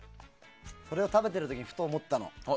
それを食べてるときにふと思ったの。